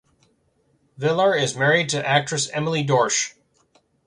Villar is married to actress Emily Dorsch.